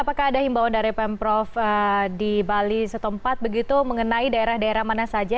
apakah ada himbauan dari pemprov di bali setempat begitu mengenai daerah daerah mana saja